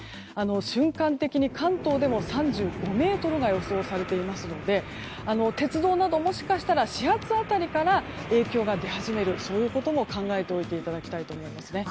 瞬間的に関東でも３５メートルが予想されていますので鉄道などもしかしたら始発辺りから影響が出始めることも考えておいていただきたいと思いますね。